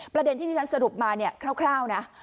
ประเด็นที่ที่ฉันสรุปมาเนี่ยคร่าวนะ